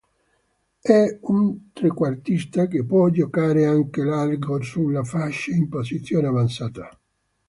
È un trequartista che può giocare anche largo sulla fascia in posizione avanzata.